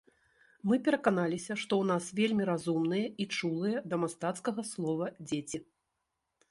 Мы пераканаліся, што ў нас вельмі разумныя і чулыя да мастацкага слова дзеці.